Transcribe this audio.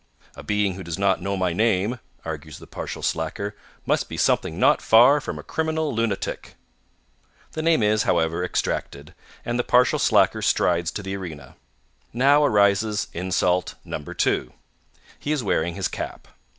"A being who does not know my name," argues the partial slacker, "must be something not far from a criminal lunatic." The name is, however, extracted, and the partial slacker strides to the arena. Now arises insult No. 2. He is wearing his cap.